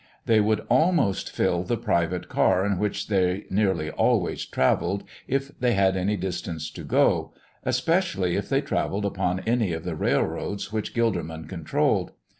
They would almost fill the private car in which they nearly always travelled if they had any distance to go, especially if they travelled upon any of the railroads which Gilderman controlled.